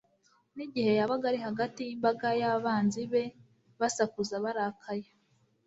n'igihe yabaga ari hagati y'imbaga y'abanzi be basakuza barakaye.